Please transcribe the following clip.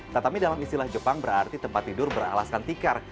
tatami dalam istilah jepang berarti tempat tidur beralaskan tikar